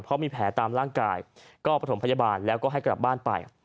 เพราะมีแผลตามร่างกายก็ประถมพยาบาลแล้วก็ให้กลับบ้านไป